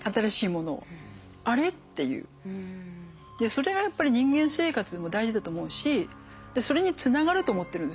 それがやっぱり人間生活にも大事だと思うしそれにつながると思ってるんですよ。